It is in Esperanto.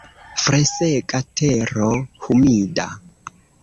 Freŝega tero humida.